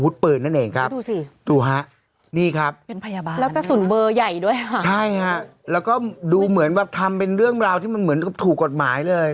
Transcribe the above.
ใช่ค่ะแล้วก็ดูเหมือนแบบทำเป็นเรื่องราวที่เหมือนถูกกฎหมายเลย